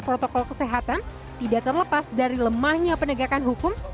protokol kesehatan tidak terlepas dari lemahnya penegakan hukum